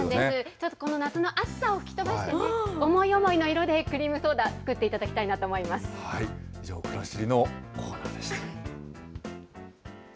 ちょっとこの夏の暑さを吹き飛ばしてね、思い思いの色でクリームソーダ、作っ以上、くらしりのコーナーでした。